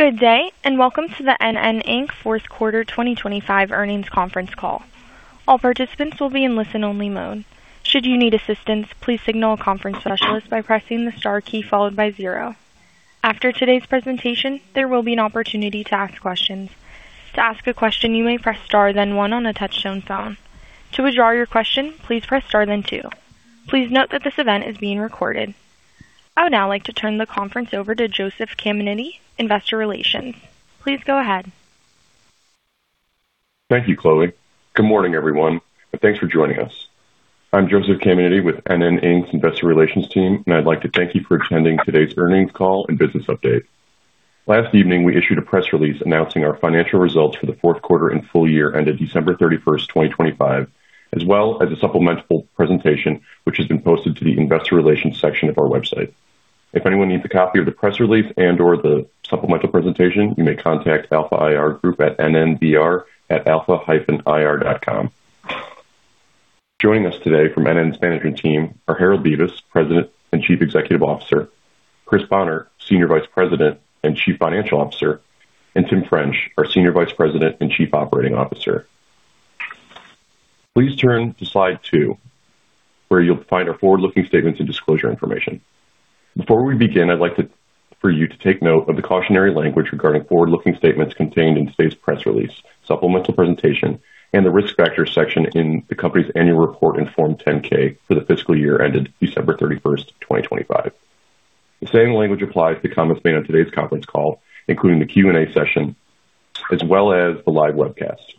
Good day, welcome to the NN, Inc. fourth quarter 2025 earnings conference call. All participants will be in listen-only mode. Should you need assistance, please signal a conference specialist by pressing the star key followed by zero. After today's presentation, there will be an opportunity to ask questions. To ask a question, you may press star then one on a touch-tone phone. To withdraw your question, please press star then two. Please note that this event is being recorded. I would now like to turn the conference over to Joseph Caminiti, Investor Relations. Please go ahead. Thank you, Chloe. Good morning, everyone, and thanks for joining us. I'm Joseph Caminiti with NN, Inc.'s Investor Relations team, and I'd like to thank you for attending today's earnings call and business update. Last evening, we issued a press release announcing our financial results for the Q4 and full year ended December 31, 2025, as well as a supplemental presentation, which has been posted to the investor relations section of our website. If anyone needs a copy of the press release and/or the supplemental presentation, you may contact Alpha IR Group at NNBR at alpha-ir.com. Joining us today from NN's management team are Harold Bevis, President and Chief Executive Officer, Chris Bonner, Senior Vice President and Chief Financial Officer, and Tim French, our Senior Vice President and Chief Operating Officer. Please turn to slide two, where you'll find our forward-looking statements and disclosure information. Before we begin, I'd like for you to take note of the cautionary language regarding forward-looking statements contained in today's press release, supplemental presentation, and the Risk Factors section in the company's annual report and Form 10-K for the fiscal year ended December 31, 2025. The same language applies to comments made on today's conference call, including the Q&A session as well as the live webcast.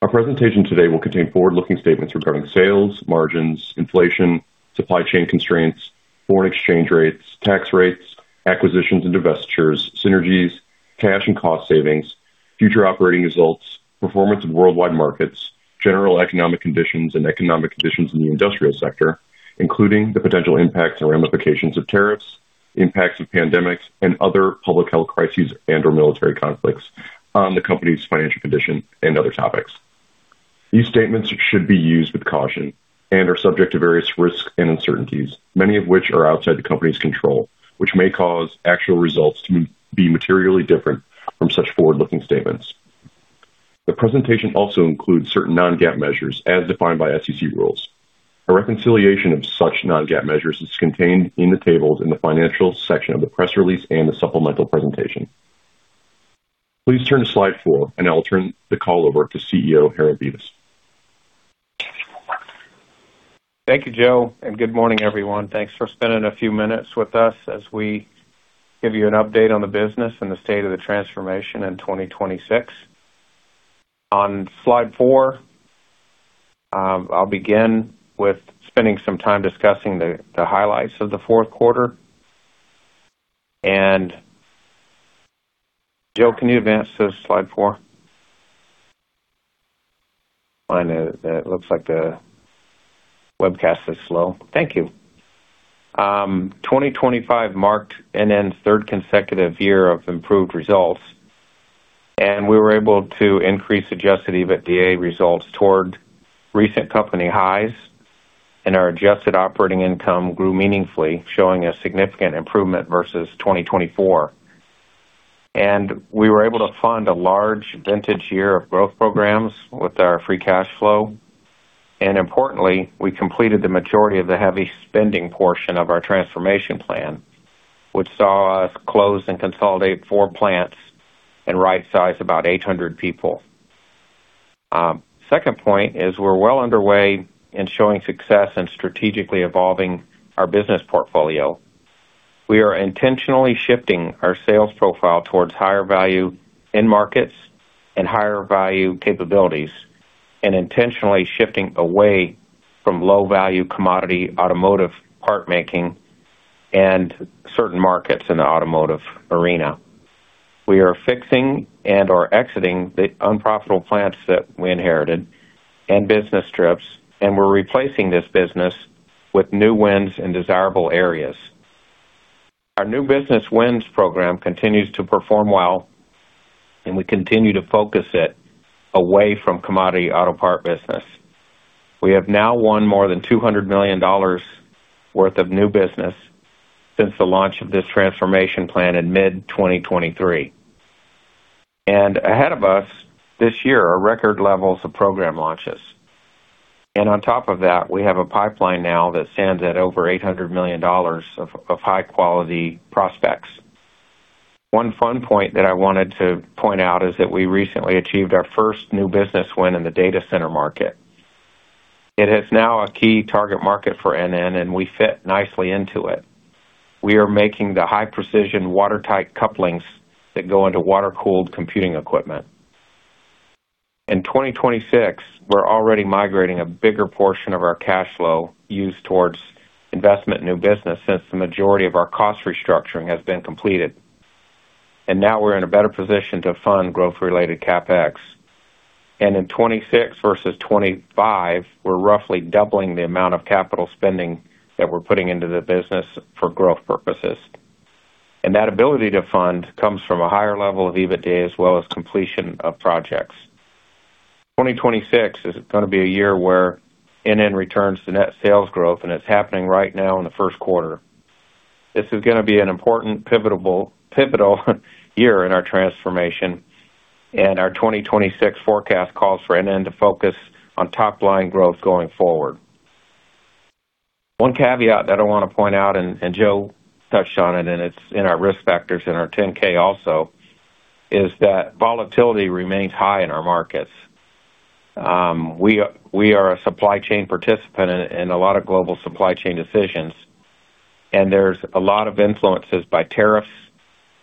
Our presentation today will contain forward-looking statements regarding sales, margins, inflation, supply chain constraints, foreign exchange rates, tax rates, acquisitions and divestitures, synergies, cash and cost savings, future operating results, performance of worldwide markets, general economic conditions and economic conditions in the industrial sector, including the potential impacts and ramifications of tariffs, impacts of pandemics and other public health crises and/or military conflicts on the company's financial condition and other topics. These statements should be used with caution and are subject to various risks and uncertainties, many of which are outside the company's control, which may cause actual results to be materially different from such forward-looking statements. The presentation also includes certain non-GAAP measures as defined by SEC rules. A reconciliation of such non-GAAP measures is contained in the tables in the Financial section of the press release and the supplemental presentation. Please turn to slide four. I'll turn the call over to CEO Harold Bevis. Thank you, Joe, and good morning, everyone. Thanks for spending a few minutes with us as we give you an update on the business and the state of the transformation in 2026. On slide four, I'll begin with spending some time discussing the highlights of the Q4. Joe, can you advance to slide four? I know that it looks like the webcast is slow. Thank you. 2025 marked NN's third consecutive year of improved results, and we were able to increase adjusted EBITDA results toward recent company highs, and our adjusted operating income grew meaningfully, showing a significant improvement versus 2024. We were able to fund a large vintage year of growth programs with our free cash flow. Importantly, we completed the majority of the heavy spending portion of our transformation plan, which saw us close and consolidate four plants and right size about 800 people. Second point is we're well underway in showing success and strategically evolving our business portfolio. We are intentionally shifting our sales profile towards higher value end markets and higher value capabilities, and intentionally shifting away from low value commodity automotive part making and certain markets in the automotive arena. We are fixing and/or exiting the unprofitable plants that we inherited and business strips, and we're replacing this business with new wins in desirable areas. Our new business wins program continues to perform well, and we continue to focus it away from commodity auto part business. We have now won more than $200 million worth of new business since the launch of this transformation plan in mid-2023. Ahead of us this year are record levels of program launches. On top of that, we have a pipeline now that stands at over $800 million of high quality prospects. One fun point that I wanted to point out is that we recently achieved our first new business win in the data center market. It is now a key target market for NN, and we fit nicely into it. We are making the high precision watertight couplings that go into water-cooled computing equipment. In 2026, we're already migrating a bigger portion of our cash flow used towards investment in new business since the majority of our cost restructuring has been completed. Now we're in a better position to fund growth-related CapEx. In 2026 versus 2025, we're roughly doubling the amount of capital spending that we're putting into the business for growth purposes. That ability to fund comes from a higher level of EBITDA as well as completion of projects. 2026 is gonna be a year where NN returns to net sales growth, and it's happening right now in the Q4. This is gonna be an important pivotal year in our transformation, and our 2026 forecast calls for NN to focus on top line growth going forward. One caveat that I wanna point out, and Joe touched on it, and it's in our risk factors in our Form 10-K also, is that volatility remains high in our markets. We are a supply chain participant in a lot of global supply chain decisions, and there's a lot of influences by tariffs,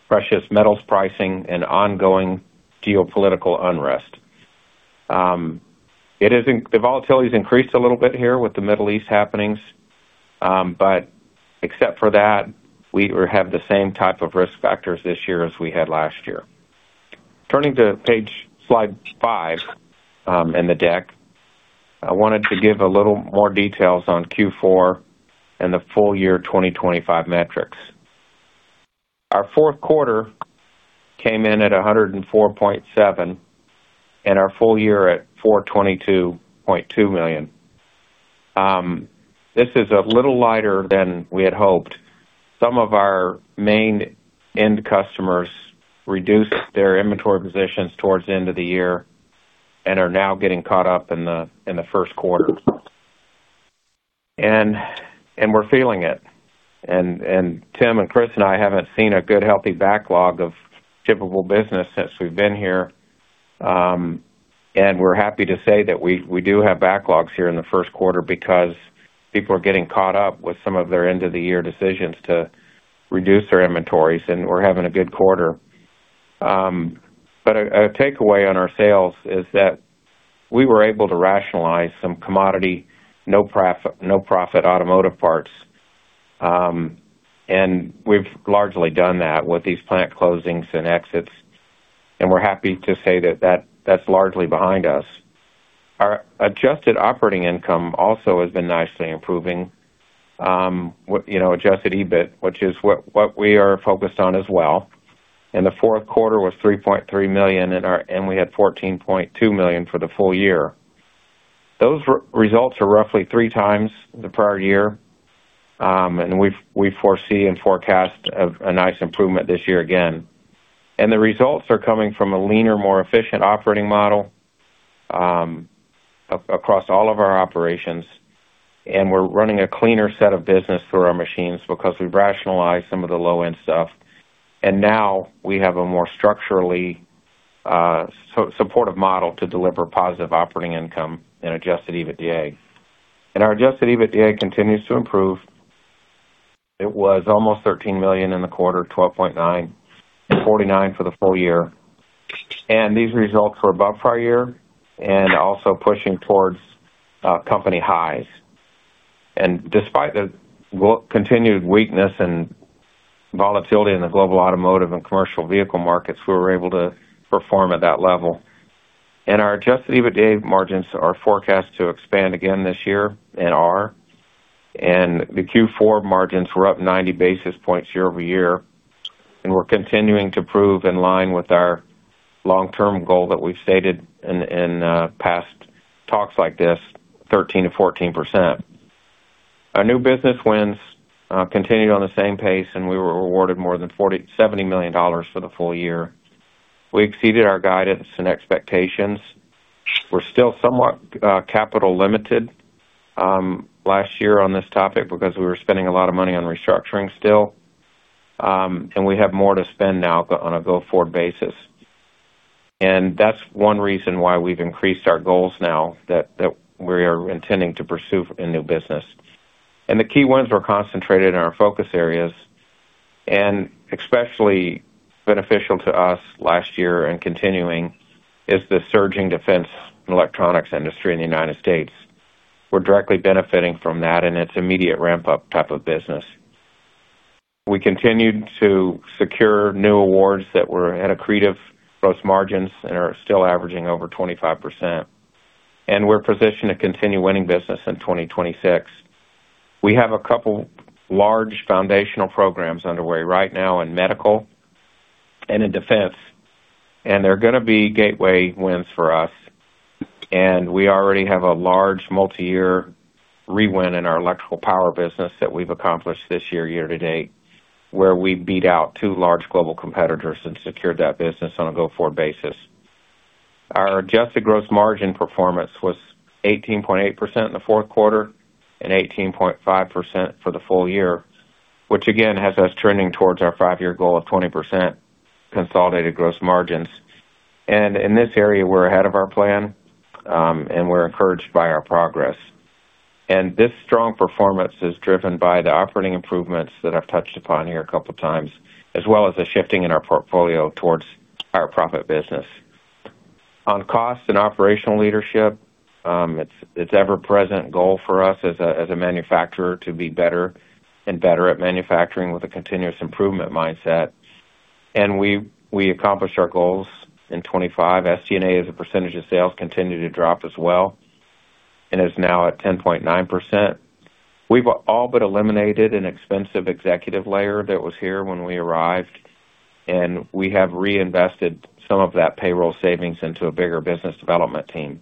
precious metals pricing and ongoing geopolitical unrest. The volatility's increased a little bit here with the Middle East happenings, except for that, we have the same type of risk factors this year as we had last year. Turning to page, slide five in the deck. I wanted to give a little more details on Q4 and the full year 2025 metrics. Our Q4 came in at $104.7, and our full year at $422.2 million. This is a little lighter than we had hoped. Some of our main end customers reduced their inventory positions towards the end of the year and are now getting caught up in the Q1. We're feeling it. Tim and Chris and I haven't seen a good, healthy backlog of shippable business since we've been here. We're happy to say that we do have backlogs here in the Q1 because people are getting caught up with some of their end-of-the-year decisions to reduce their inventories, and we're having a good quarter. A takeaway on our sales is that we were able to rationalize some commodity no profit automotive parts, we've largely done that with these plant closings and exits, and we're happy to say that's largely behind us. Our adjusted operating income also has been nicely improving. You know, adjusted EBIT, which is what we are focused on as well. The Q4 was $3.3 million and we had $14.2 million for the full year. Those results are roughly three times the prior year, and we foresee and forecast of a nice improvement this year again. The results are coming from a leaner, more efficient operating model, across all of our operations, and we're running a cleaner set of business through our machines because we've rationalized some of the low-end stuff, and now we have a more structurally supportive model to deliver positive operating income and adjusted EBITDA. Our adjusted EBITDA continues to improve. It was almost $13 million in the quarter, $12.9, and $49 for the full year. These results were above prior year and also pushing towards company highs. Despite the continued weakness and volatility in the global automotive and commercial vehicle markets, we were able to perform at that level. Our adjusted EBITDA margins are forecast to expand again this year. The Q4 margins were up 90 basis points year-over-year, and we're continuing to prove in line with our long-term goal that we've stated in past talks like this, 13%-14%. Our new business wins continued on the same pace, and we were awarded more than $70 million for the full year. We exceeded our guidance and expectations. We're still somewhat capital limited last year on this topic because we were spending a lot of money on restructuring still. We have more to spend now on a go-forward basis. That's one reason why we've increased our goals now that we are intending to pursue in new business. The key wins were concentrated in our focus areas, and especially beneficial to us last year and continuing is the surging defense and electronics industry in the United States. We're directly benefiting from that, and it's immediate ramp-up type of business. We continued to secure new awards that were at accretive gross margins and are still averaging over 25%. We're positioned to continue winning business in 2026. We have a couple large foundational programs underway right now in medical and in defense, and they're gonna be gateway wins for us. We already have a large multiyear rewin in our electrical power business that we've accomplished this year to date, where we beat out two large global competitors and secured that business on a go-forward basis. Our adjusted gross margin performance was 18.8% in the Q4 and 18.5% for the full year, which again has us trending towards our five-year goal of 20% consolidated gross margins. In this area, we're ahead of our plan, and we're encouraged by our progress. This strong performance is driven by the operating improvements that I've touched upon here a couple times, as well as the shifting in our portfolio towards our profit business. On cost and operational leadership, it's ever-present goal for us as a manufacturer to be better and better at manufacturing with a continuous improvement mindset. We accomplished our goals in 2025. SG&A, as a percentage of sales, continued to drop as well. Is now at 10.9%. We've all but eliminated an expensive executive layer that was here when we arrived, and we have reinvested some of that payroll savings into a bigger business development team.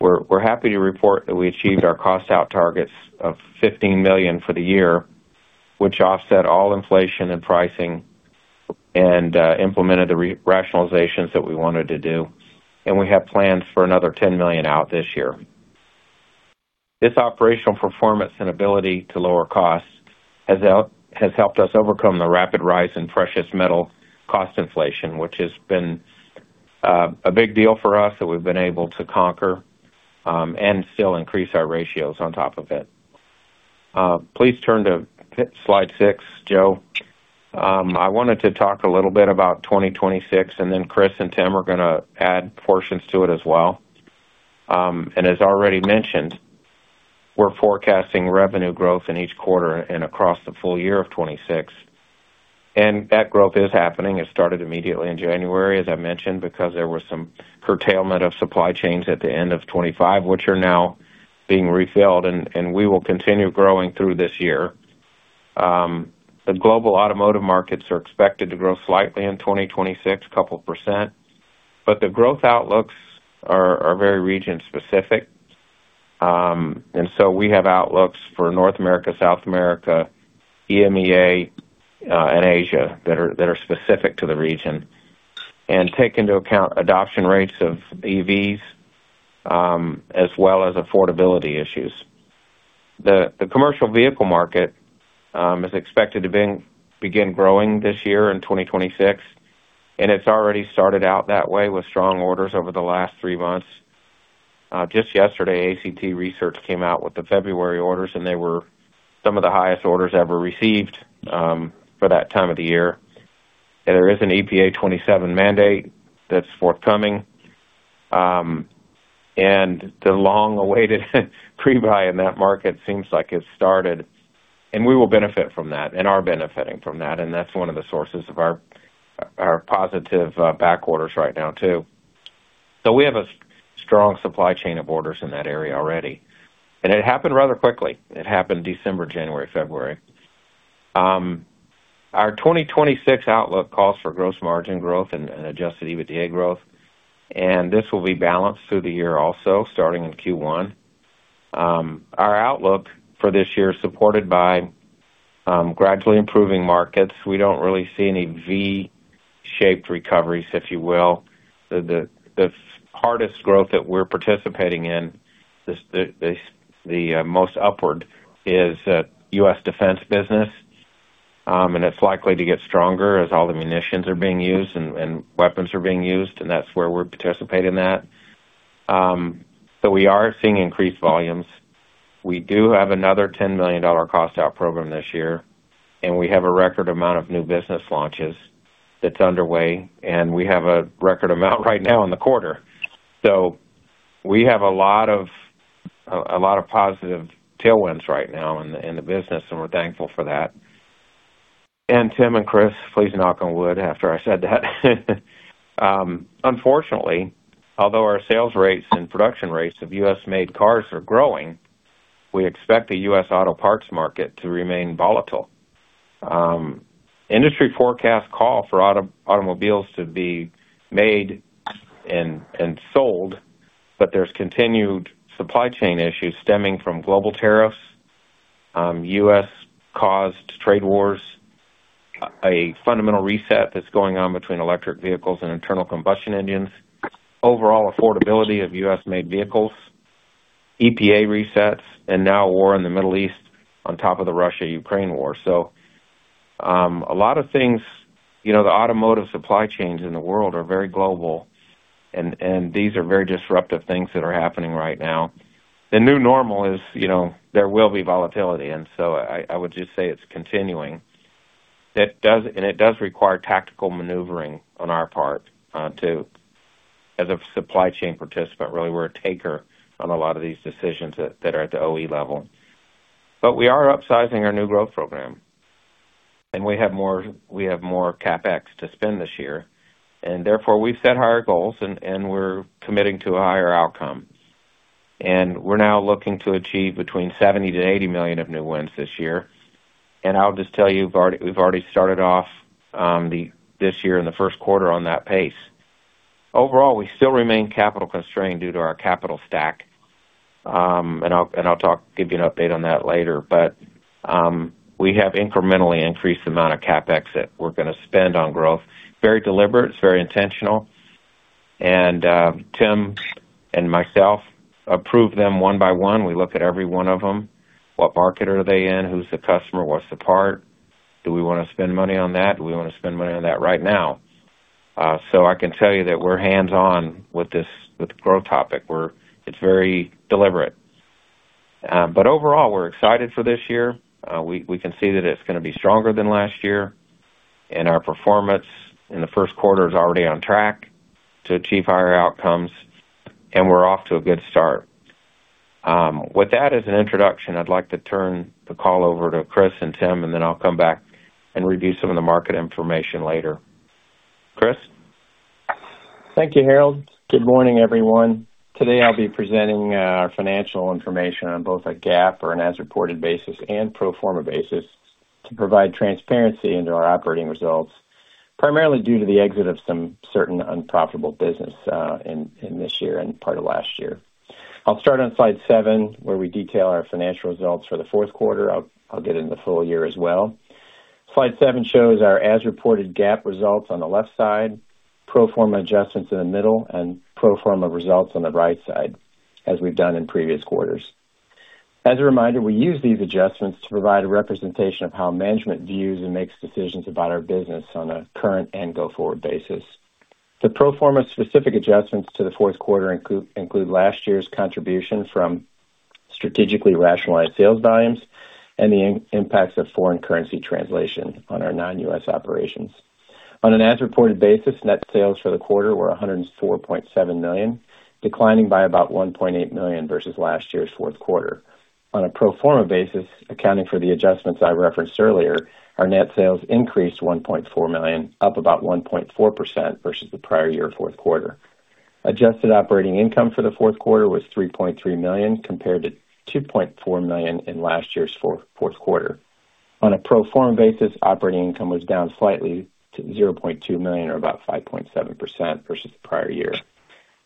We're happy to report that we achieved our cost out targets of $15 million for the year, which offset all inflation and pricing and implemented the re-rationalizations that we wanted to do. We have plans for another $10 million out this year. This operational performance and ability to lower costs has helped us overcome the rapid rise in precious metal cost inflation, which has been a big deal for us that we've been able to conquer and still increase our ratios on top of it. Please turn to slide six, Joe. I wanted to talk a little bit about 2026, and then Chris and Tim are gonna add portions to it as well. As already mentioned, we're forecasting revenue growth in each quarter and across the full year of 2026. That growth is happening. It started immediately in January, as I mentioned, because there was some curtailment of supply chains at the end of 2025, which are now being refilled, and we will continue growing through this year. The global automotive markets are expected to grow slightly in 2026, 2%, but the growth outlooks are very region-specific. We have outlooks for North America, South America, EMEA, and Asia that are specific to the region and take into account adoption rates of EVs, as well as affordability issues. The commercial vehicle market is expected to begin growing this year in 2026. It's already started out that way with strong orders over the last three months. Just yesterday, ACT Research came out with the February orders. They were some of the highest orders ever received for that time of the year. There is an EPA 2027 mandate that's forthcoming. The long-awaited pre-buy in that market seems like it's started, and we will benefit from that and are benefiting from that. That's one of the sources of our positive backorders right now too. We have a strong supply chain of orders in that area already. It happened rather quickly. It happened December, January, February. Our 2026 outlook calls for gross margin growth and adjusted EBITDA growth. This will be balanced through the year also, starting in Q1. Our outlook for this year is supported by gradually improving markets. We don't really see any V-shaped recoveries, if you will. The hardest growth that we're participating in, the most upward, is U.S. defense business. It's likely to get stronger as all the munitions are being used and weapons are being used. That's where we participate in that. We are seeing increased volumes. We do have another $10 million cost out program this year. We have a record amount of new business launches that's underway. We have a record amount right now in the quarter. We have a lot of positive tailwinds right now in the business, and we're thankful for that. Tim and Chris, please knock on wood after I said that. Unfortunately, although our sales rates and production rates of U.S.-made cars are growing, we expect the U.S. auto parts market to remain volatile. Industry forecasts call for automobiles to be made and sold, but there's continued supply chain issues stemming from global tariffs, U.S.-caused trade wars, a fundamental reset that's going on between electric vehicles and internal combustion engines, overall affordability of U.S.-made vehicles, EPA resets, and now a war in the Middle East on top of the Russia-Ukraine war. A lot of things, you know, the automotive supply chains in the world are very global and these are very disruptive things that are happening right now. The new normal is, you know, there will be volatility. I would just say it's continuing. It does require tactical maneuvering on our part, too, as a supply chain participant. Really, we're a taker on a lot of these decisions that are at the OE level. We are upsizing our new growth program, and we have more CapEx to spend this year, and therefore, we've set higher goals and we're committing to a higher outcome. We're now looking to achieve between $70 million-$80 million of new wins this year. I'll just tell you, we've already started off this year in the Q1 on that pace. Overall, we still remain capital constrained due to our capital stack, and I'll give you an update on that later. We have incrementally increased the amount of CapEx that we're gonna spend on growth. Very deliberate, it's very intentional, and Tim and myself approve them one by one. We look at every one of them. What market are they in? Who's the customer? What's the part? Do we wanna spend money on that? Do we wanna spend money on that right now? I can tell you that we're hands-on with this, with the growth topic. It's very deliberate. Overall, we're excited for this year. We can see that it's gonna be stronger than last year, and our performance in the Q1 is already on track to achieve higher outcomes, and we're off to a good start. With that as an introduction, I'd like to turn the call over to Chris and Tim, and then I'll come back and review some of the market information later. Chris? Thank you, Harold. Good morning, everyone. Today I'll be presenting our financial information on both a GAAP or an as reported basis and pro forma basis to provide transparency into our operating results, primarily due to the exit of some certain unprofitable business in this year and part of last year. I'll start on slide seven, where we detail our financial results for the Q4. I'll get into full year as well. Slide seven shows our as reported GAAP results on the left side, pro forma adjustments in the middle, and pro forma results on the right side, as we've done in previous quarters. As a reminder, we use these adjustments to provide a representation of how management views and makes decisions about our business on a current and go-forward basis. The pro forma specific adjustments to the Q4 include last year's contribution from strategically rationalized sales volumes and the impacts of foreign currency translation on our non-US operations. On an as reported basis, net sales for the quarter were $104.7 million, declining by about $1.8 million versus last year's Q4. On a pro forma basis, accounting for the adjustments I referenced earlier, our net sales increased $1.4 million, up about 1.4% versus the prior year Q4. Adjusted operating income for the Q4 was $3.3 million, compared to $2.4 million in last year's Q4. On a pro forma basis, operating income was down slightly to $0.2 million or about 5.7% versus the prior year.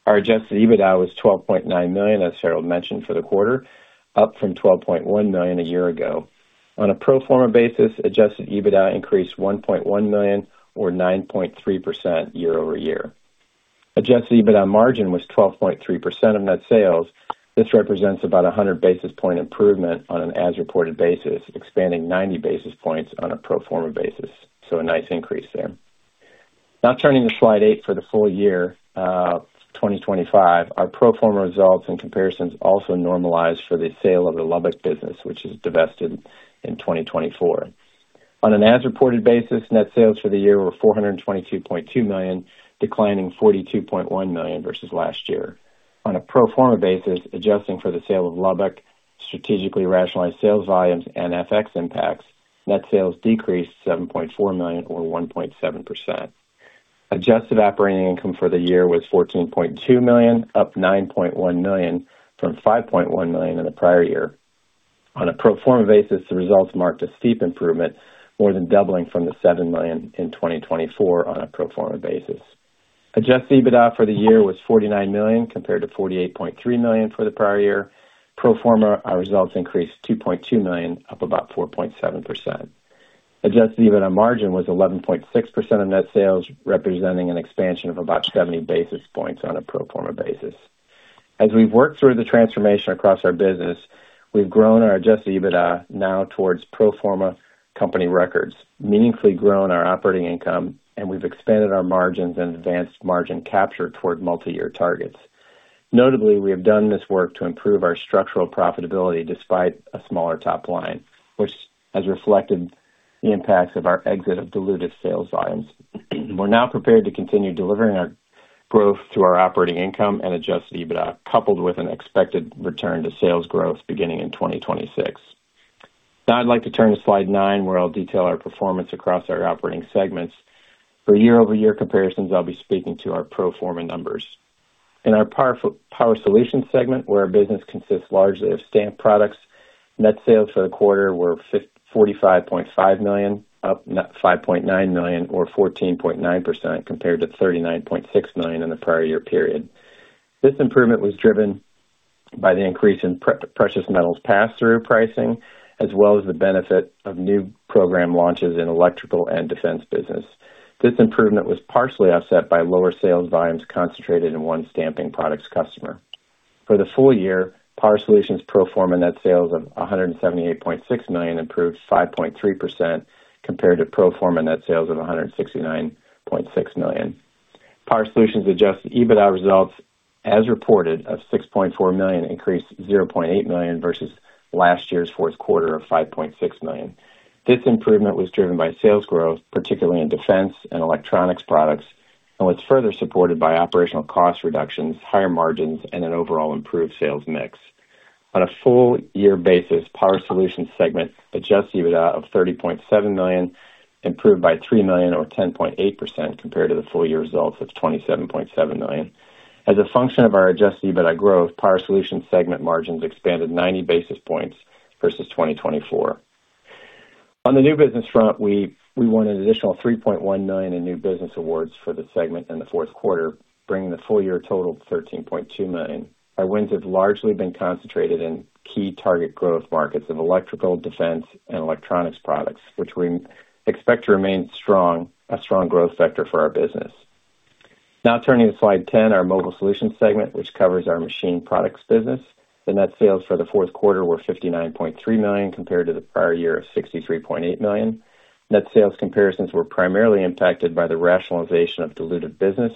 Our adjusted EBITDA was $12.9 million, as Harold mentioned for the quarter, up from $12.1 million a year ago. On a pro forma basis, adjusted EBITDA increased $1.1 million or 9.3% year-over-year. Adjusted EBITDA margin was 12.3% of net sales. This represents about 100 basis point improvement on an as reported basis, expanding 90 basis points on a pro forma basis. A nice increase there. Now turning to slide eight for the full year, 2025. Our pro forma results and comparisons also normalized for the sale of the Lubbock business, which is divested in 2024. On an as reported basis, net sales for the year were $422.2 million, declining $42.1 million versus last year. On a pro forma basis, adjusting for the sale of Lubbock, strategically rationalized sales volumes and FX impacts, net sales decreased $7.4 million or 1.7%. Adjusted operating income for the year was $14.2 million, up $9.1 million from $5.1 million in the prior year. On a pro forma basis, the results marked a steep improvement, more than doubling from the $7 million in 2024 on a pro forma basis. Adjusted EBITDA for the year was $49 million compared to $48.3 million for the prior year. Pro forma, our results increased $2.2 million, up about 4.7%. Adjusted EBITDA margin was 11.6% of net sales, representing an expansion of about 70 basis points on a pro forma basis. As we've worked through the transformation across our business, we've grown our adjusted EBITDA now towards pro forma company records, meaningfully grown our operating income, and we've expanded our margins and advanced margin capture toward multi-year targets. Notably, we have done this work to improve our structural profitability despite a smaller top line, which has reflected the impacts of our exit of dilutive sales volumes. We're now prepared to continue delivering our growth through our operating income and adjusted EBITDA, coupled with an expected return to sales growth beginning in 2026. I'd like to turn to slide nine, where I'll detail our performance across our operating segments. For year-over-year comparisons, I'll be speaking to our pro forma numbers. In our Power Solutions segment, where our business consists largely of stamped products, net sales for the quarter were $45.5 million, up $5.9 million or 14.9% compared to $39.6 million in the prior year period. This improvement was driven by the increase in precious metals pass-through pricing, as well as the benefit of new program launches in electrical and defense business. This improvement was partially offset by lower sales volumes concentrated in one stamping products customer. For the full year, Power Solutions pro forma net sales of $178.6 million, improved 5.3% compared to pro forma net sales of $169.6 million. Power Solutions adjusted EBITDA results, as reported, of $6.4 million increased $0.8 million versus last year's Q4 of $5.6 million. This improvement was driven by sales growth, particularly in defense and electronics products, and was further supported by operational cost reductions, higher margins, and an overall improved sales mix. On a full year basis, Power Solutions segment adjusted EBITDA of $30.7 million, improved by $3 million or 10.8% compared to the full year results of $27.7 million. As a function of our adjusted EBITDA growth, Power Solutions segment margins expanded 90 basis points versus 2024. On the new business front, we won an additional $3.1 million in new business awards for the segment in the Q4, bringing the full year total to $13.2 million. Our wins have largely been concentrated in key target growth markets of electrical, defense, and electronics products, which we expect to remain strong, a strong growth sector for our business. Turning to slide 10, our Mobile Solutions segment, which covers our machined products business. The net sales for the Q4 were $59.3 million compared to the prior year of $63.8 million. Net sales comparisons were primarily impacted by the rationalization of dilutive business,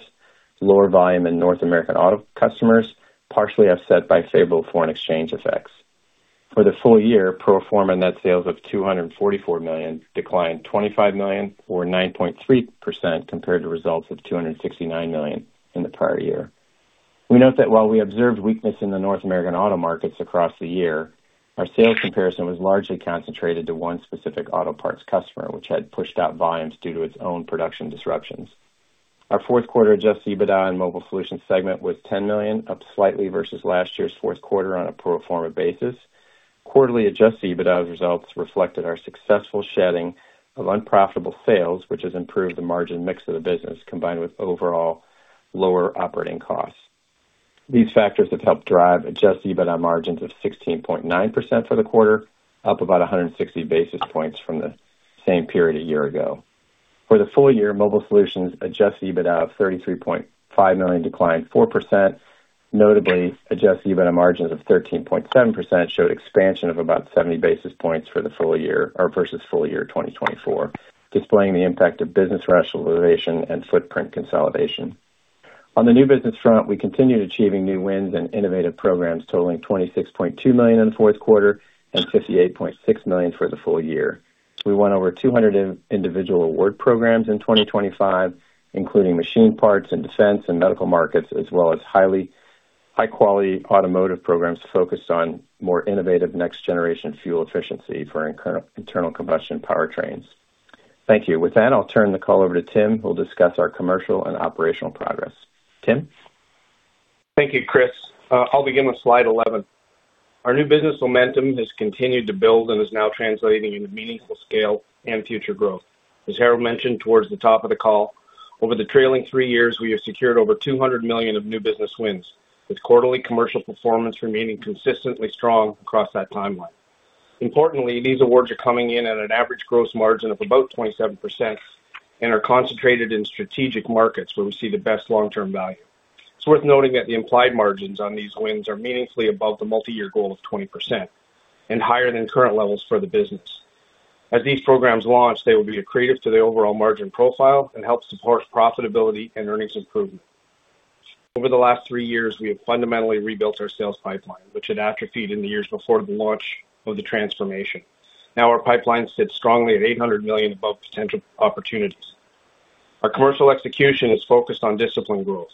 lower volume in North American auto customers, partially offset by favorable foreign exchange effects. For the full year, pro forma net sales of $244 million declined $25 million, or 9.3% compared to results of $269 million in the prior year. We note that while we observed weakness in the North American auto markets across the year, our sales comparison was largely concentrated to one specific auto parts customer, which had pushed out volumes due to its own production disruptions. Our Q4 adjusted EBITDA in Mobile Solutions segment was $10 million, up slightly versus last year's Q4 on a pro forma basis. Quarterly adjusted EBITDA results reflected our successful shedding of unprofitable sales, which has improved the margin mix of the business combined with overall lower operating costs. These factors have helped drive adjusted EBITDA margins of 16.9% for the quarter, up about 160 basis points from the same period a year ago. For the full year, Mobile Solutions adjusted EBITDA of $33.5 million declined 4%. Notably, adjusted EBITDA margins of 13.7% showed expansion of about 70 basis points for the full year versus full year 2024, displaying the impact of business rationalization and footprint consolidation. On the new business front, we continued achieving new wins and innovative programs totaling $26.2 million in the Q4 and $58.6 million for the full year. We won over 200 individual award programs in 2025, including machine parts in defense and medical markets, as well as highly high-quality automotive programs focused on more innovative next-generation fuel efficiency for internal combustion powertrains. Thank you. With that, I'll turn the call over to Tim, who will discuss our commercial and operational progress. Tim? Thank you, Chris. I'll begin with slide 11. Our new business momentum has continued to build and is now translating into meaningful scale and future growth. As Harold mentioned towards the top of the call, over the trailing three years, we have secured over $200 million of new business wins, with quarterly commercial performance remaining consistently strong across that timeline. Importantly, these awards are coming in at an average gross margin of about 27% and are concentrated in strategic markets where we see the best long-term value. It's worth noting that the implied margins on these wins are meaningfully above the multi-year goal of 20% and higher than current levels for the business. As these programs launch, they will be accretive to the overall margin profile and help support profitability and earnings improvement. Over the last three years, we have fundamentally rebuilt our sales pipeline, which had atrophied in the years before the launch of the transformation. Now our pipeline sits strongly at $800 million above potential opportunities. Our commercial execution is focused on disciplined growth.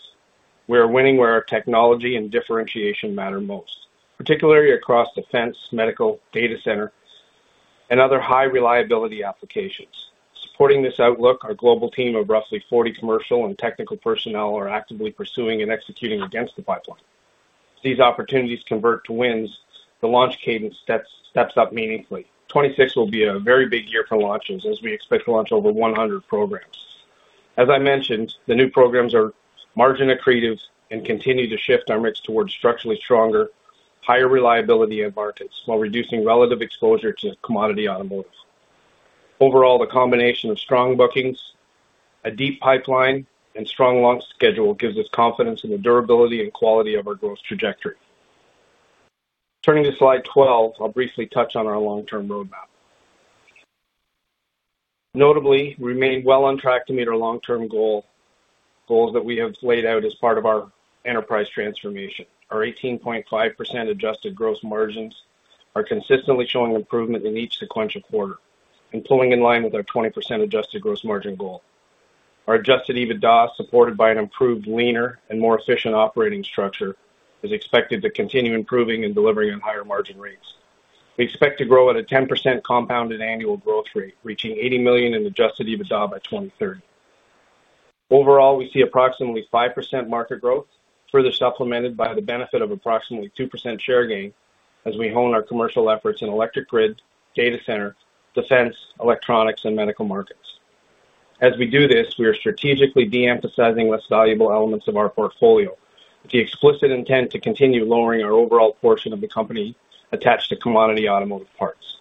We are winning where our technology and differentiation matter most, particularly across defense, medical, data center, and other high-reliability applications. Supporting this outlook, our global team of roughly 40 commercial and technical personnel are actively pursuing and executing against the pipeline. These opportunities convert to wins. The launch cadence steps up meaningfully. 2026 will be a very big year for launches as we expect to launch over 100 programs. As I mentioned, the new programs are margin accretive and continue to shift our mix towards structurally stronger, higher reliability end markets while reducing relative exposure to commodity automotive. Overall, the combination of strong bookings, a deep pipeline, and strong launch schedule gives us confidence in the durability and quality of our growth trajectory. Turning to slide 12, I'll briefly touch on our long-term roadmap. Notably, we remain well on track to meet our long-term goals that we have laid out as part of our enterprise transformation. Our 18.5% adjusted gross margins are consistently showing improvement in each sequential quarter and pulling in line with our 20% adjusted gross margin goal. Our adjusted EBITDA, supported by an improved, leaner and more efficient operating structure, is expected to continue improving and delivering on higher margin rates. We expect to grow at a 10% compounded annual growth rate, reaching $80 million in adjusted EBITDA by 2030. Overall, we see approximately 5% market growth, further supplemented by the benefit of approximately 2% share gain as we hone our commercial efforts in electric grid, data center, defense, electronics, and medical markets. As we do this, we are strategically de-emphasizing less valuable elements of our portfolio with the explicit intent to continue lowering our overall portion of the company attached to commodity automotive parts.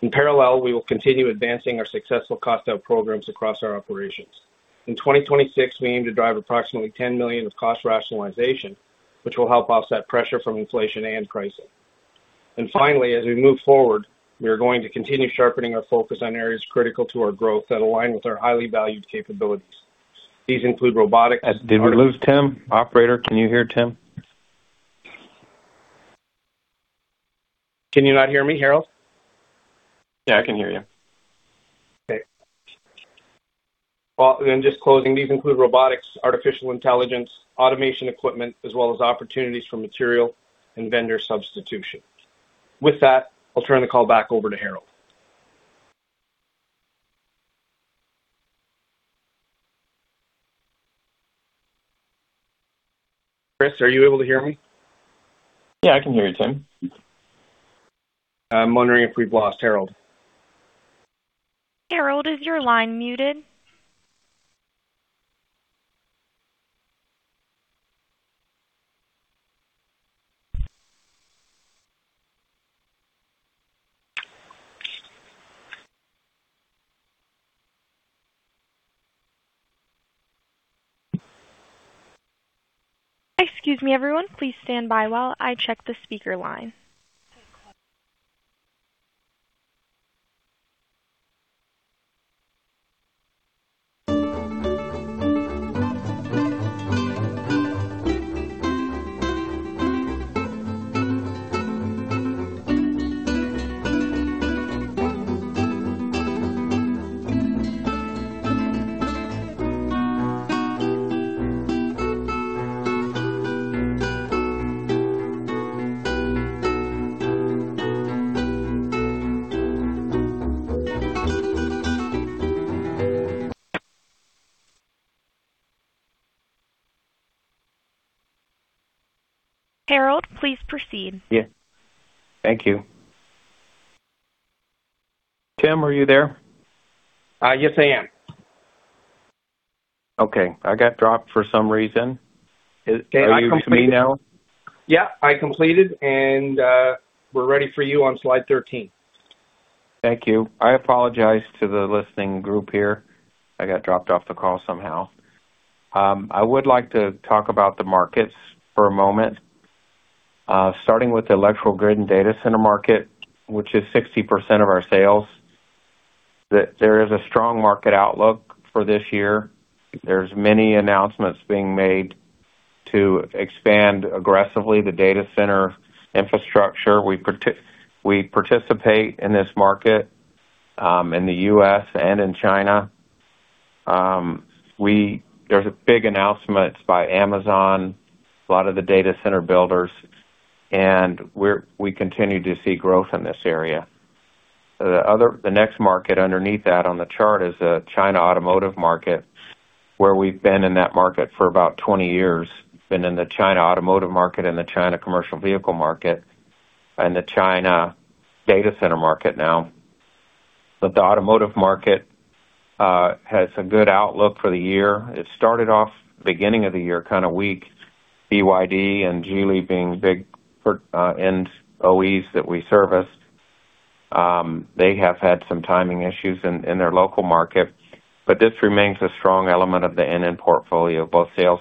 In parallel, we will continue advancing our successful cost out programs across our operations. In 2026, we aim to drive approximately $10 million of cost rationalization, which will help offset pressure from inflation and pricing. Finally, as we move forward, we are going to continue sharpening our focus on areas critical to our growth that align with our highly valued capabilities. These include robotics- Did we lose Tim? Operator, can you hear Tim? Can you not hear me, Harold? Yeah, I can hear you. Okay. Well, in just closing, these include robotics, artificial intelligence, automation equipment, as well as opportunities for material and vendor substitution. With that, I'll turn the call back over to Harold. Chris, are you able to hear me? Yeah, I can hear you, Tim. I'm wondering if we've lost Harold. Harold, is your line muted? Excuse me, everyone. Please stand by while I check the speaker line. Harold, please proceed. Yeah. Thank you. Tim, are you there? Yes, I am. Okay. I got dropped for some reason. Are you with me now? Yeah, I completed. We're ready for you on slide 13. Thank you. I apologize to the listening group here. I got dropped off the call somehow. I would like to talk about the markets for a moment, starting with the electrical grid and data center market, which is 60% of our sales. There is a strong market outlook for this year. There's many announcements being made to expand aggressively the data center infrastructure. We participate in this market in the U.S. and in China. There's big announcements by Amazon, a lot of the data center builders, and we continue to see growth in this area. The next market underneath that on the chart is the China automotive market, where we've been in that market for about 20 years. Been in the China automotive market and the China commercial vehicle market and the China data center market now. The automotive market has a good outlook for the year. It started off beginning of the year, kind of weak. BYD and Geely being big end OEs that we serviced. They have had some timing issues in their local market. This remains a strong element of the NN portfolio, both sales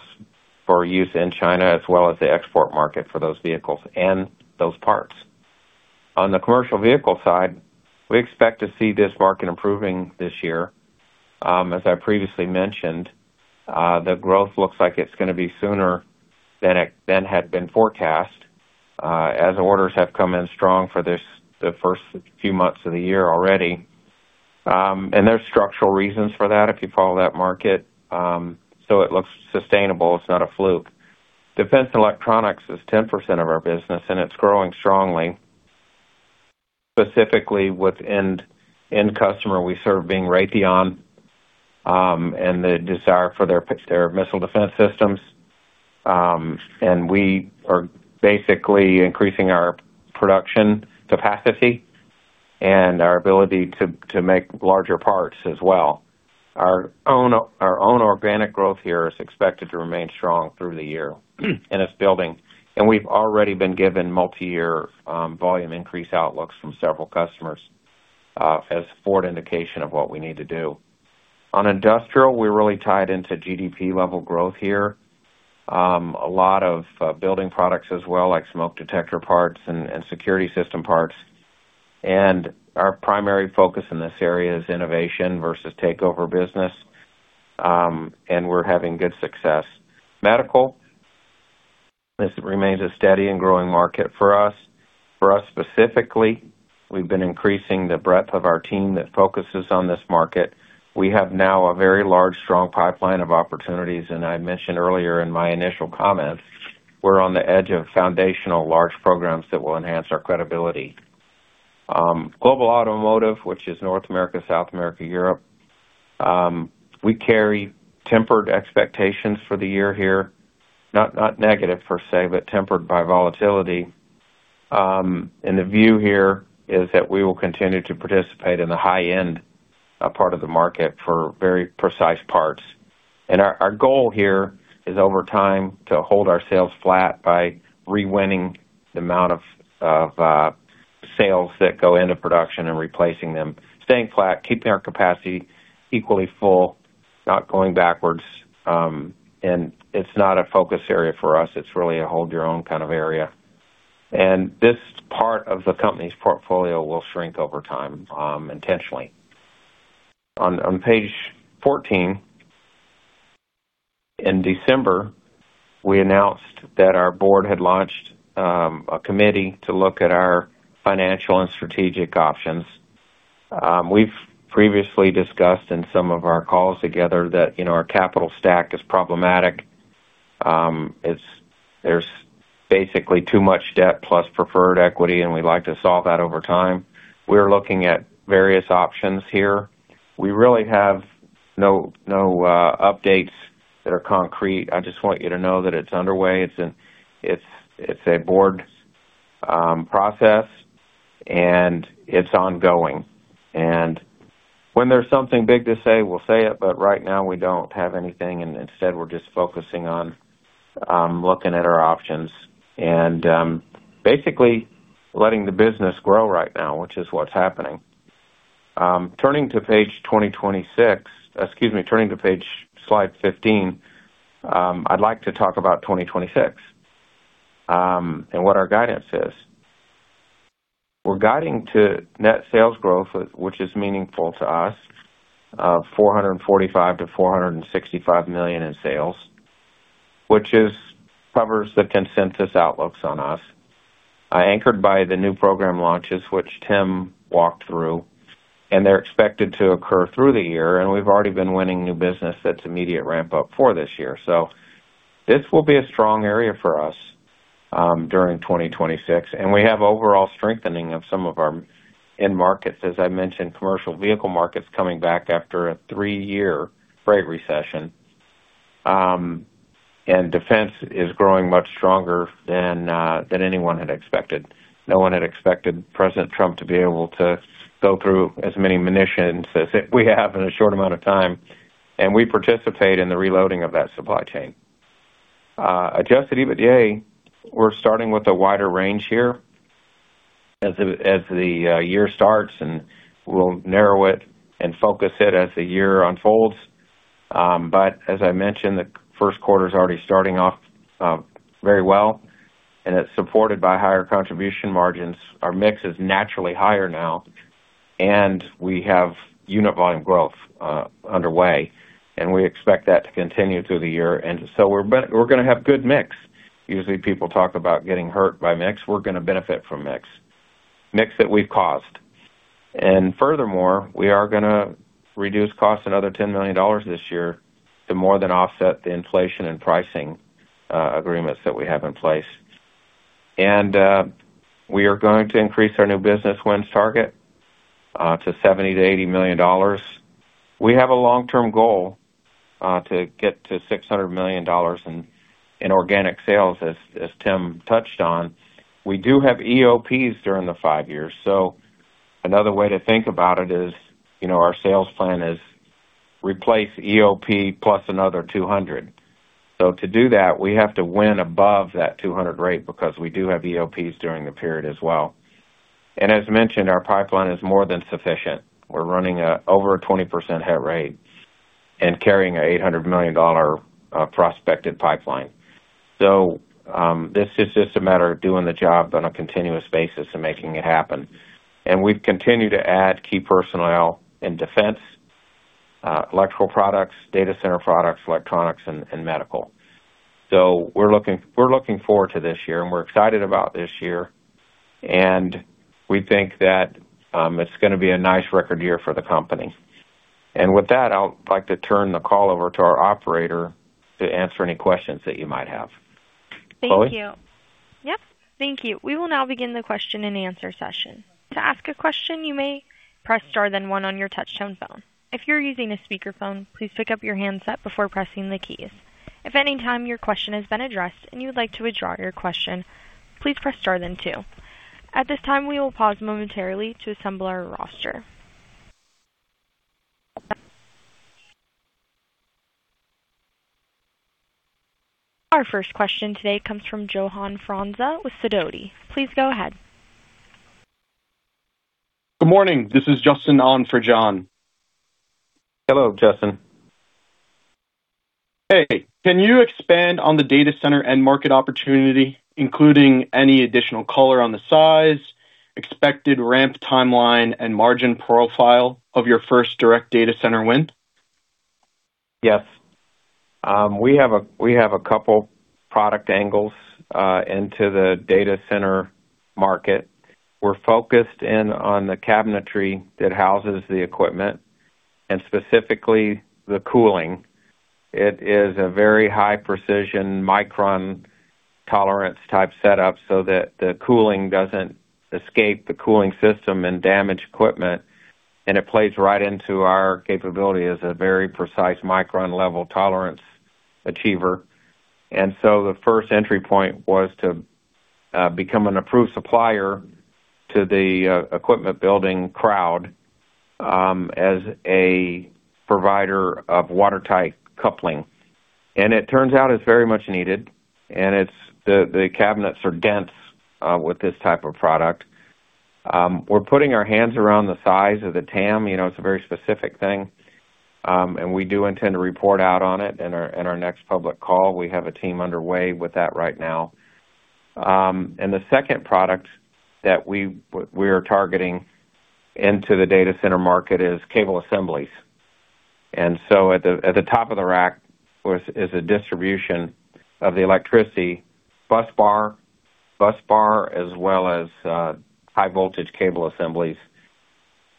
for use in China as well as the export market for those vehicles and those parts. On the commercial vehicle side, we expect to see this market improving this year. As I previously mentioned, the growth looks like it's gonna be sooner than had been forecast, as orders have come in strong for this, the first few months of the year already. There's structural reasons for that if you follow that market. It looks sustainable. It's not a fluke. Defense electronics is 10% of our business, and it's growing strongly. Specifically with end customer we serve being Raytheon, and the desire for their missile defense systems. We are basically increasing our production capacity and our ability to make larger parts as well. Our own organic growth here is expected to remain strong through the year and it's building. We've already been given multi-year volume increase outlooks from several customers as forward indication of what we need to do. On industrial, we're really tied into GDP level growth here. A lot of building products as well, like smoke detector parts and security system parts. Our primary focus in this area is innovation versus takeover business. We're having good success. Medical, this remains a steady and growing market for us. For us specifically, we've been increasing the breadth of our team that focuses on this market. We have now a very large, strong pipeline of opportunities, I mentioned earlier in my initial comments, we're on the edge of foundational large programs that will enhance our credibility. Global automotive, which is North America, South America, Europe, we carry tempered expectations for the year here. Not negative per se, but tempered by volatility. The view here is that we will continue to participate in the high-end part of the market for very precise parts. Our goal here is over time to hold our sales flat by re-winning the amount of sales that go into production and replacing them, staying flat, keeping our capacity equally full, not going backwards. It's not a focus area for us. It's really a hold your own kind of area. This part of the company's portfolio will shrink over time, intentionally. On page 14, in December, we announced that our board had launched a committee to look at our financial and strategic options. We've previously discussed in some of our calls together that, you know, our capital stack is problematic. There's basically too much debt plus preferred equity, and we'd like to solve that over time. We're looking at various options here. We really have no updates that are concrete. I just want you to know that it's underway. It's a board process, and it's ongoing. When there's something big to say, we'll say it, but right now we don't have anything, and instead we're just focusing on looking at our options and basically letting the business grow right now, which is what's happening. Turning to page slide 15, I'd like to talk about 2026 and what our guidance is. We're guiding to net sales growth, which is meaningful to us, $445 million-$465 million in sales. Which covers the consensus outlooks on us, anchored by the new program launches which Tim walked through, and they're expected to occur through the year, and we've already been winning new business that's immediate ramp-up for this year. This will be a strong area for us during 2026. We have overall strengthening of some of our end markets. As I mentioned, commercial vehicle markets coming back after a three year freight recession. Defense is growing much stronger than anyone had expected. No one had expected President Trump to be able to go through as many munitions as we have in a short amount of time, and we participate in the reloading of that supply chain. Adjusted EBITDA, we're starting with a wider range here as the year starts, and we'll narrow it and focus it as the year unfolds. As I mentioned, the Q1's already starting off very well, and it's supported by higher contribution margins. Our mix is naturally higher now, and we have unit volume growth underway, and we expect that to continue through the year. we're gonna have good mix. Usually people talk about getting hurt by mix. We're gonna benefit from mix. Mix that we've caused. Furthermore, we are gonna reduce costs another $10 million this year to more than offset the inflation and pricing agreements that we have in place. We are going to increase our new business wins target to $70 million-$80 million. We have a long-term goal to get to $600 million in organic sales, as Tim touched on. We do have EOPs during the five years. Another way to think about it is, you know, our sales plan is replace EOP plus another $200 million. To do that, we have to win above that $200 million rate because we do have EOPs during the period as well. As mentioned, our pipeline is more than sufficient. We're running over a 20% hit rate and carrying an $800 million prospected pipeline. This is just a matter of doing the job on a continuous basis and making it happen. We've continued to add key personnel in defense, electrical products, data center products, electronics and medical. We're looking, we're looking forward to this year, and we're excited about this year, and we think that it's gonna be a nice record year for the company. With that, I'd like to turn the call over to our operator to answer any questions that you might have. Chloe? Thank you. Yep. Thank you. We will now begin the question and answer session. To ask a question, you may press Star then one on your touchtone phone. If you're using a speakerphone, please pick up your handset before pressing the keys. If at any time your question has been addressed and you would like to withdraw your question, please press Star then two. At this time, we will pause momentarily to assemble our roster. Our first question today comes from John Franzreb with Sidoti. Please go ahead. Good morning. This is Justin on for John. Hello, Justin. Hey, can you expand on the data center end market opportunity, including any additional color on the size, expected ramp timeline and margin profile of your first direct data center win? Yes. We have a couple product angles into the data center market. We're focused in on the cabinetry that houses the equipment and specifically the cooling. It is a very high precision micron tolerance type setup so that the cooling doesn't escape the cooling system and damage equipment. It plays right into our capability as a very precise micron level tolerance achiever. The first entry point was to become an approved supplier to the equipment building crowd as a provider of watertight coupling. It turns out it's very much needed. The cabinets are dense with this type of product. We're putting our hands around the size of the TAM. You know, it's a very specific thing. We do intend to report out on it in our next public call. We have a team underway with that right now. The second product that we are targeting into the data center market is cable assemblies. At the top of the rack is a distribution of the electricity busbar as well as high voltage cable assemblies.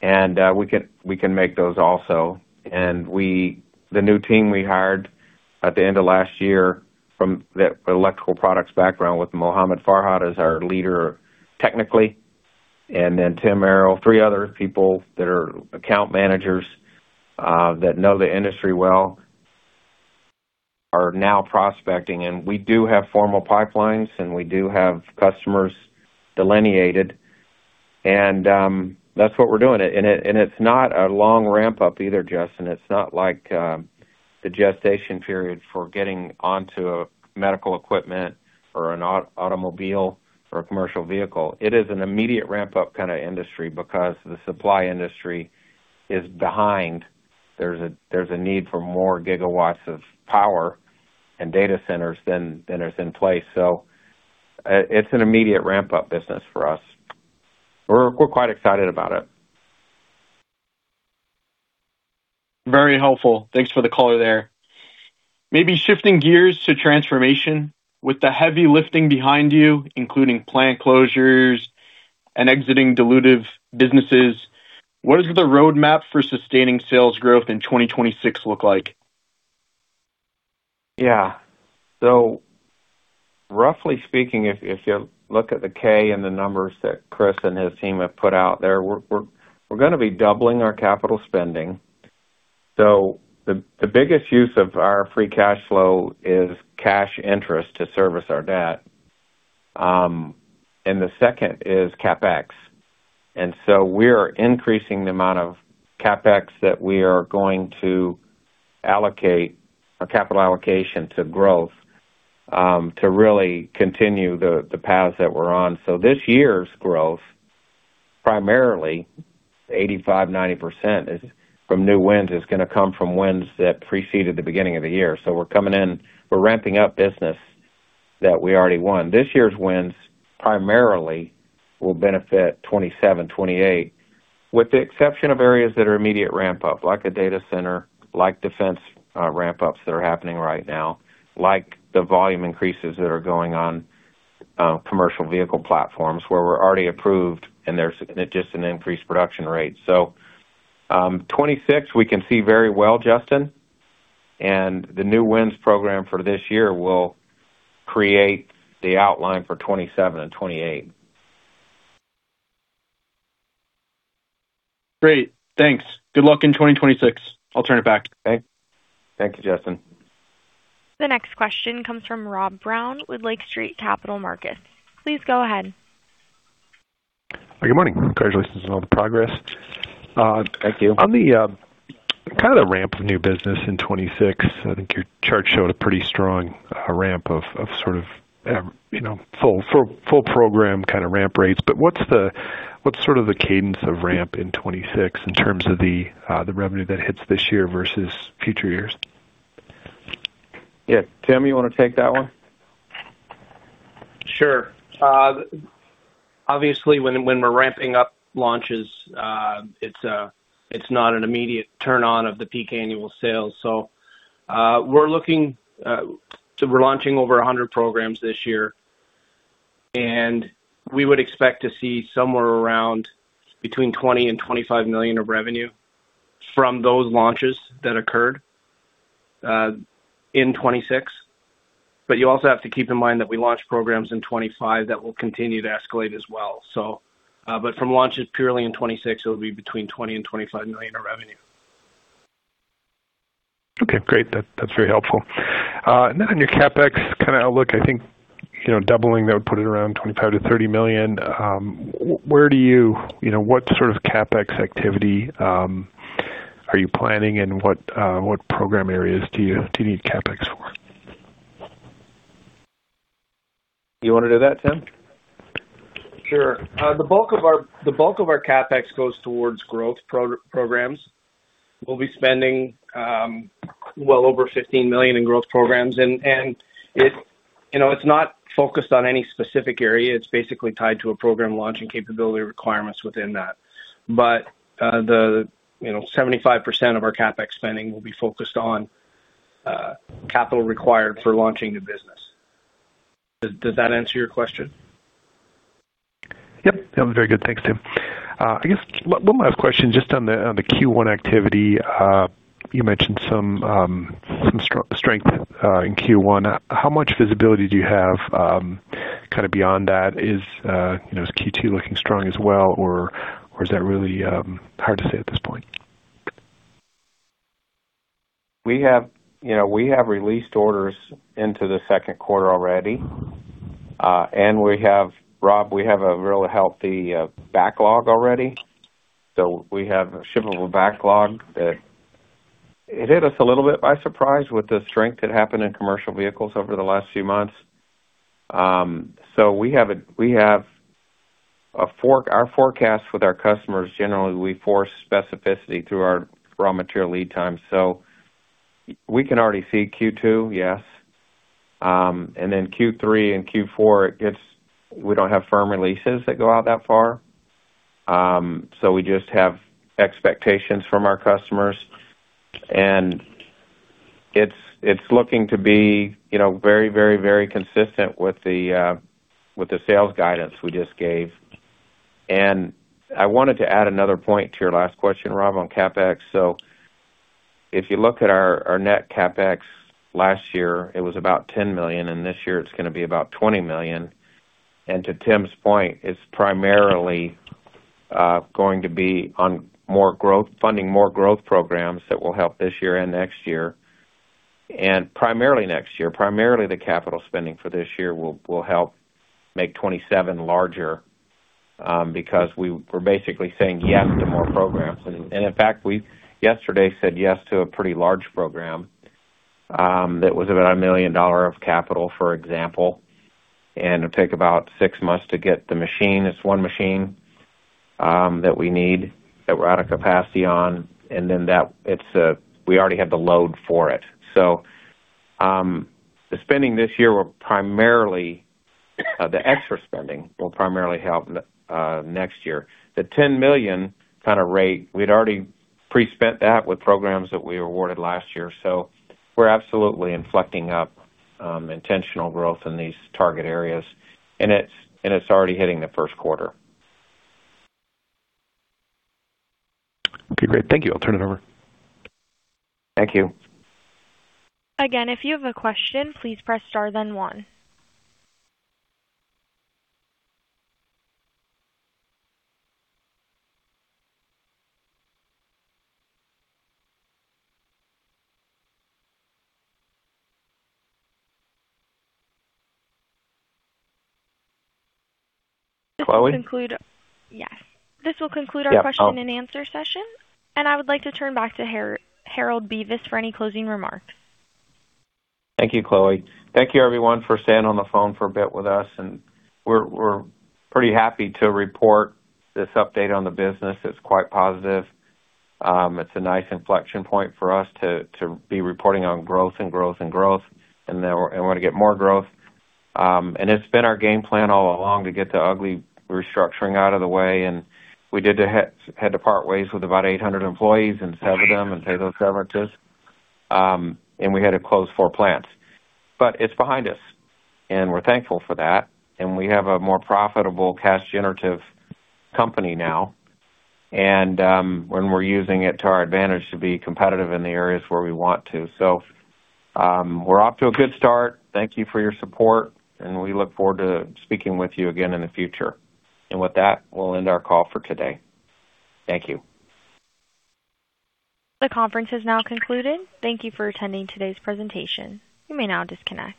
We can make those also. The new team we hired at the end of last year from the electrical products background with Mohammed Farhad as our leader technically, and then Tim Merrell, three other people that are account managers that know the industry well, are now prospecting. We do have formal pipelines, and we do have customers delineated. That's what we're doing. It's not a long ramp up either, Justin. It's not like the gestation period for getting onto a medical equipment or an automobile or a commercial vehicle. It is an immediate ramp up kind of industry because the supply industry is behind. There's a need for more gigawatts of power and data centers than is in place. It's an immediate ramp up business for us. We're quite excited about it. Very helpful. Thanks for the color there. Maybe shifting gears to transformation. With the heavy lifting behind you, including plant closures and exiting dilutive businesses, what does the road map for sustaining sales growth in 2026 look like? Roughly speaking, if you look at the K and the numbers that Chris and his team have put out there, we're gonna be doubling our capital spending. The biggest use of our free cash flow is cash interest to service our debt, and the second is CapEx. We are increasing the amount of CapEx that we are going to allocate or capital allocation to growth, to really continue the paths that we're on. This year's growth, primarily 85%-90% is from new wins, is gonna come from wins that preceded the beginning of the year. We're coming in. We're ramping up business that we already won. This year's wins primarily will benefit 2027, 2028, with the exception of areas that are immediate ramp-up, like a data center, like defense, ramp-ups that are happening right now, like the volume increases that are going on, commercial vehicle platforms where we're already approved and there's just an increased production rate. 2026 we can see very well, Justin, and the new wins program for this year will create the outline for 2027 and 2028. Great. Thanks. Good luck in 2026. I'll turn it back. Thank you, Justin. The next question comes from Rob Brown with Lake Street Capital Markets. Please go ahead. Good morning. Congratulations on all the progress. Thank you. On the, kind of the ramp of new business in 2026, I think your chart showed a pretty strong ramp of sort of, you know, full program kind of ramp rates. What's sort of the cadence of ramp in 2026 in terms of the revenue that hits this year versus future years? Tim, you wanna take that one? Sure. Obviously, when we're ramping up launches, it's not an immediate turn on of the peak annual sales. We're launching over 100 programs this year, and we would expect to see somewhere around between $20 million and $25 million of revenue from those launches that occurred in 2026. You also have to keep in mind that we launched programs in 2025 that will continue to escalate as well. From launches purely in 2026, it will be between $20 million and $25 million of revenue. Okay, great. That, that's very helpful. On your CapEx kinda outlook, I think, you know, doubling that would put it around $25 million-$30 million. Where do you You know, what sort of CapEx activity are you planning, and what program areas do you need CapEx for? You wanna do that, Tim? Sure. The bulk of our CapEx goes towards growth programs. We'll be spending, well over $15 million in growth programs. It, you know, it's not focused on any specific area. It's basically tied to a program launch and capability requirements within that. The, you know, 75% of our CapEx spending will be focused on capital required for launching new business. Does that answer your question? Yep. That was very good. Thanks, Tim. I guess one last question just on the Q1 activity. You mentioned some strength in Q1. How much visibility do you have kind of beyond that? Is, you know, is Q2 looking strong as well, or is that really hard to say at this point? We have, you know, we have released orders into the Q2 already. Rob, we have a real healthy backlog already. We have a shippable backlog that it hit us a little bit by surprise with the strength that happened in commercial vehicles over the last few months. We have a forecast with our customers, generally, we force specificity through our raw material lead time. We can already see Q2, yes. Q3 and Q4, we don't have firm releases that go out that far. We just have expectations from our customers. It's, it's looking to be, you know, very, very, very consistent with the sales guidance we just gave. I wanted to add another point to your last question, Rob, on CapEx. If you look at our net CapEx last year, it was about $10 million, and this year it's gonna be about $20 million. To Tim's point, it's primarily going to be on funding more growth programs that will help this year and next year. Primarily next year, primarily the capital spending for this year will help make 2027 larger because we're basically saying yes to more programs. In fact, we yesterday said yes to a pretty large program that was about $1 million of capital, for example. It'll take about six months to get the machine. It's one machine that we need that we're out of capacity on, and then it's we already have the load for it. The extra spending will primarily help next year. The $10 million kind of rate, we'd already pre-spent that with programs that we awarded last year. We're absolutely inflecting up intentional growth in these target areas, and it's already hitting the Q1. Okay, great. Thank you. I'll turn it over. Thank you. Again, if you have a question, please press star then one. Chloe? Yes. This will conclude our question and answer session. I would like to turn back to Harold Bevis for any closing remarks. Thank you, Chloe. Thank you everyone for staying on the phone for a bit with us. We're pretty happy to report this update on the business. It's quite positive. It's a nice inflection point for us to be reporting on growth and growth and growth, and then we're gonna get more growth. It's been our game plan all along to get the ugly restructuring out of the way. We did had to part ways with about 800 employees and sever them and pay those severances. We had to close four plants. It's behind us, and we're thankful for that. We have a more profitable cash generative company now. When we're using it to our advantage to be competitive in the areas where we want to. We're off to a good start. Thank you for your support, and we look forward to speaking with you again in the future. With that, we'll end our call for today. Thank you. The conference has now concluded. Thank you for attending today's presentation. You may now disconnect.